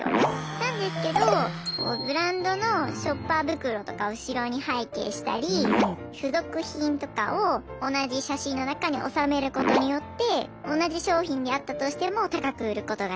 なんですけどブランドのショッパー袋とか後ろに背景したり付属品とかを同じ写真の中におさめることによって同じ商品であったとしても高く売ることができます。